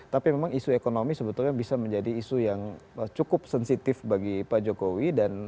tapi memang isu ekonomi sebetulnya bisa menjadi isu yang cukup sensitif bagi pak jokowi